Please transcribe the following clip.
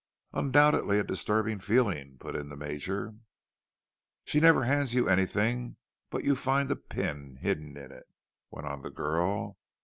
"Undoubtedly a disturbing feeling," put in the Major. "She never hands you anything but you find a pin hidden in it," went on the girl.